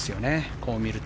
こう見ると。